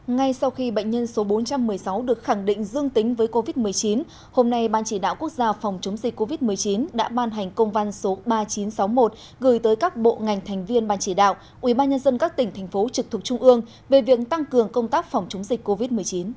ngay sau khi bệnh nhân số bốn trăm một mươi sáu được khẳng định dương tính với covid một mươi chín hôm nay ban chỉ đạo quốc gia phòng chống dịch covid một mươi chín đã ban hành công văn số ba nghìn chín trăm sáu mươi một gửi tới các bộ ngành thành viên ban chỉ đạo ubnd các tỉnh thành phố trực thuộc trung ương về việc tăng cường công tác phòng chống dịch covid một mươi chín